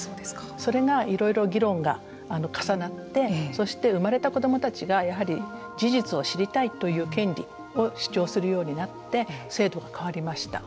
それがいろいろ議論が重なってそして生まれた子どもたちがやはり事実を知りたいという権利を主張するようになって制度が変わりました。